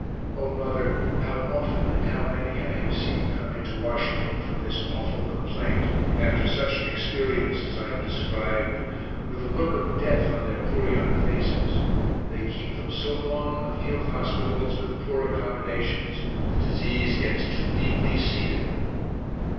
O mother, how often and how many I have seen come into Washington from this awful complaint after such an experience as I have described with the look of death on their poor young faces; they keep them so long in the field hospitals with poor accommodations the disease gets too deeply seated.